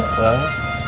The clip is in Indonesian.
berapa semuanya cak